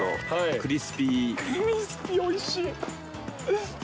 クリスピーおいしい。